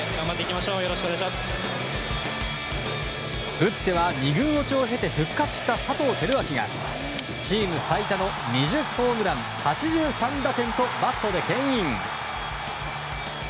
打っては、２軍落ちを経て復活した佐藤輝明がチーム最多の２０ホームラン８３打点とバットで牽引。